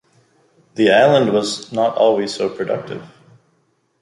The island was not always so productive.